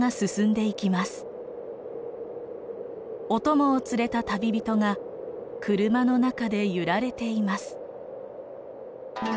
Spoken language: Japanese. お供を連れた旅人が車の中で揺られています。